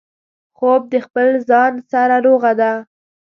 خوب د خپل ځان سره روغه ده